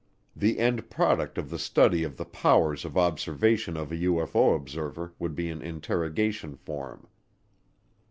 The end product of the study of the powers of observation of a UFO observer would be an interrogation form.